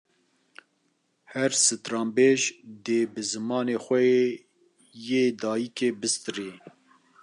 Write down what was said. Her stranbêj, dê bi zimanê xwe yê dayikê bistirê